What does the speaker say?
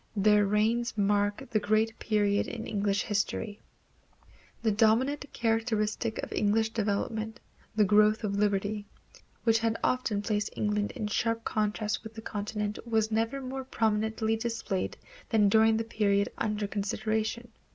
Their reigns mark the great period in English history. The dominant characteristic of English development, the growth of liberty, which had often placed England in sharp contrast with the continent was never more prominently displayed than during the period under consideration.